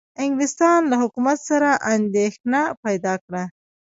انګلستان له حکومت سره اندېښنه پیدا کړه.